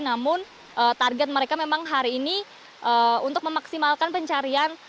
namun target mereka memang hari ini untuk memaksimalkan pencarian